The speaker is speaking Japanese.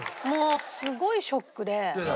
もうすごいショックで。